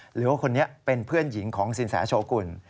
หรือว่าคนนี้เป็นเพื่อนหญิงของสินแสโชกุล